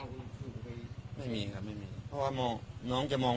แล้วก็นมมมมมันจะอื่มตึงไหนคะ